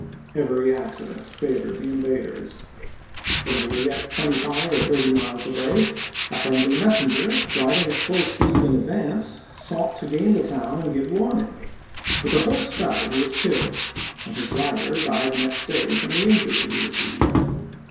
Every accident favored the invaders. When they were yet twenty five or thirty miles away a friendly messenger, riding at full speed in advance, sought to gain the town and give warning, but the horse fell and was killed, and his rider died next day from voi. xxii., Part I., the injury he received.